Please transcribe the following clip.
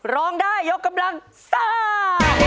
ร้องได้ยกกำลังซ่า